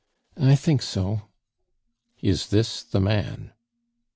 "I think so." "Is this the man?"